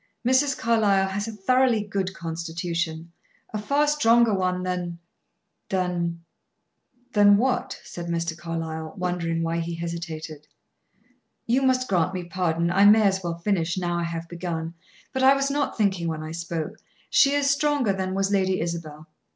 Mrs. Carlyle has a thoroughly good constitution; a far stronger one than than " "Than what?" said Mr. Carlyle, wondering why he hesitated. "You must grant me pardon. I may as well finish, now I have begun; but I was not thinking when I spoke. She is stronger than was Lady Isabel.